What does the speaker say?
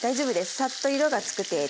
サッと色が付く程度。